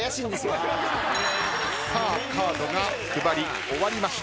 カードが配り終わりました。